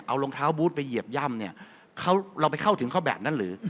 เอารองเท้าบูธไปเหยียบย่ำเนี่ยเขาเราไปเข้าถึงเขาแบบนั้นหรือ